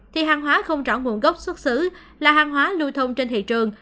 thì hàng hóa không rõ nguồn gốc xuất xứ là hàng hóa lưu thông trên thị trường